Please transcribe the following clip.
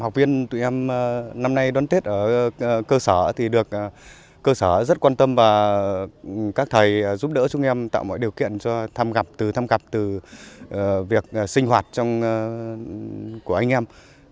học viên tụi em năm nay đón tết ở cơ sở thì được cơ sở rất quan tâm và các thầy giúp đỡ chúng em tạo mọi điều kiện cho thăm gặp từ thăm gặp từ việc sinh hoạt của anh em